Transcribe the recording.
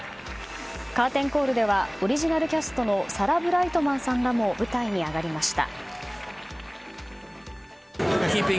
カーテンコールではオリジナルキャストのサラ・ブライトマンさんらも舞台に上がりました。